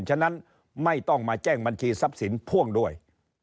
ฉะนั้นไม่ต้องมาแจ้งบัญชีทรัพย์สินพ่วงด้วย